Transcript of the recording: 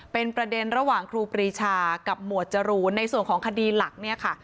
เป็นประเด็นระหว่างครูปรีชากับหมวดจรูนในส่วนของคดีหลักเนี่ยค่ะ